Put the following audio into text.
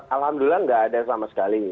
alhamdulillah nggak ada sama sekali